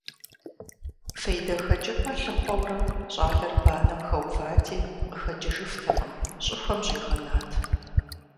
ФейдэхэкӀыпӀэ лъыхъуэурэ, щӀалэр банэм хэувати, къыхэкӀыжыфтэкъым, щӀыхуэм щӀигъэнат.